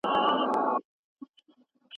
هغه د خپل تیزس په پاته برخه بوخت دی.